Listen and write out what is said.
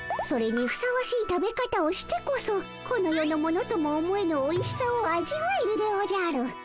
それにふさわしい食べ方をしてこそこの世の物とも思えぬおいしさを味わえるでおじゃる。